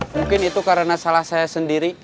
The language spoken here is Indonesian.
mungkin itu karena salah saya sendiri